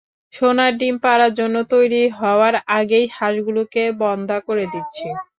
সোনার ডিম পাড়ার জন্য তৈরি হওয়ার আগেই হাঁসগুলোকে বন্ধ্যা করে দিচ্ছি।